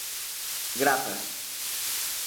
Grazas.